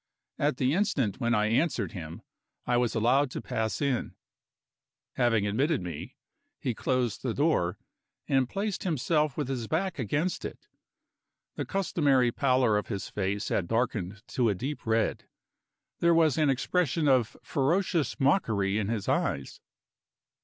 At the instant when I answered him, I was allowed to pass in. Having admitted me, he closed the door, and placed himself with his back against it. The customary pallor of his face had darkened to a deep red; there was an expression of ferocious mockery in his eyes.